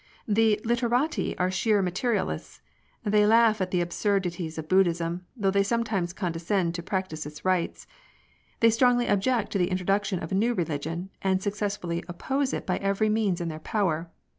The literati are sheer materialists : they laugh at the absurdities of Buddhism, though they sometimes condescend to practise its rites. They strongly object to the introduction of a new religion, and successfully oppose it by every means in their power.